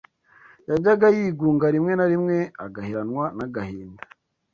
Yajyaga yigunga rimwe na rimwe agaheranwa n’agahinda,